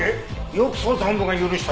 よく捜査本部が許したね。